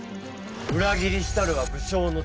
「裏切りしたるは武将の恥辱」。